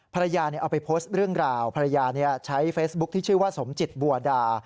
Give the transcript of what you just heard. ภรรยาเอาไปโพสต์เรื่องราวภรรยาใช้เฟซบุ๊คที่ชื่อว่าสมจิตบัวดา